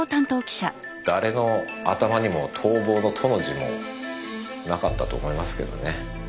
誰も頭にも逃亡の「と」の字もなかったと思いますけどね。